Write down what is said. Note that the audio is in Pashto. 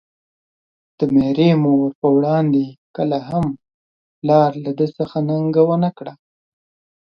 د ميرې مور په وړاندې يې کله هم پلار له ده څخه ننګه ونکړه.